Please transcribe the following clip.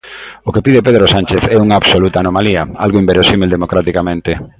O que pide Pedro Sánchez é unha absoluta anomalía, algo inverosímil democraticamente.